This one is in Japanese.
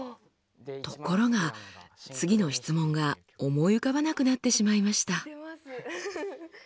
ところが次の質問が思い浮かばなくなってしまいました。